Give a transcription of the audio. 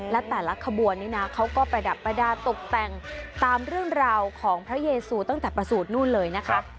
และแต่ละขบวนนี้นะเขาก็ประดับประดาษตกแต่งตามเรื่องราวของพระเยซูตั้งแต่ประสูจน์นู่นเลยนะคะ